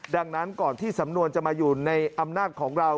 ดังนั้นก่อนที่สำนวนจะมาอยู่ในอำนาจของเรา